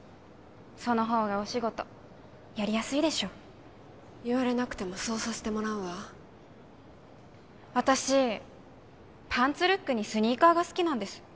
その方がお仕事やりやすいでしょ言われなくてもそうさせてもらうわ私パンツルックにスニーカーが好きなんです